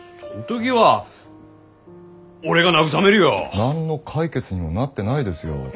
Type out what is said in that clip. そん時は俺が慰めるよ。何の解決にもなってないですよ。